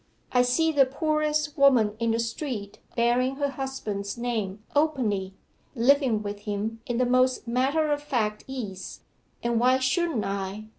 I see the poorest woman in the street bearing her husband's name openly living with him in the most matter of fact ease, and why shouldn't I?